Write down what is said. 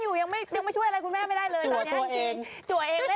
อยู่ยังไม่ยังไม่ช่วยอะไรคุณแม่ไม่ได้เลยจัดตัวเองจัด